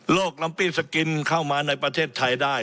โลกลำปี้ทรมานในประเทศไทยได้